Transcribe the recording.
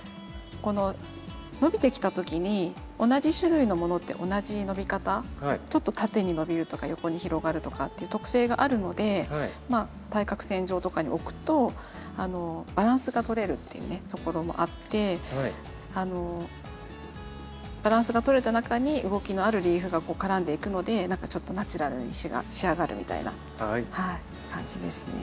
この伸びてきた時に同じ種類のものって同じ伸び方ちょっと縦に伸びるとか横に広がるとかっていう特性があるので対角線上とかに置くとバランスがとれるっていうところもあってあのバランスがとれた中に動きのあるリーフが絡んでいくので何かちょっとナチュラルに仕上がるみたいな感じですね。